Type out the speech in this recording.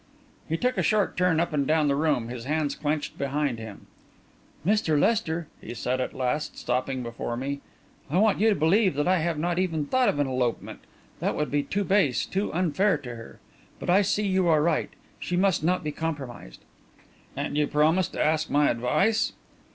He took a short turn up and down the room, his hands clenched behind him. "Mr. Lester," he said, at last, stopping before me, "I want you to believe that I have not even thought of an elopement that would be too base, too unfair to her. But I see that you are right. She must not be compromised." "And you promise to ask my advice?"